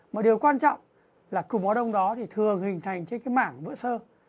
một điều quan trọng là cục máu đông đó thường hình thành trên mảng vữa sơ